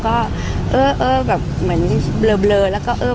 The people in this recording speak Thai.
ภาษาสนิทยาลัยสุดท้าย